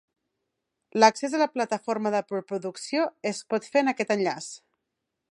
L'accés a la plataforma de preproducció es pot fer en aquest enllaç.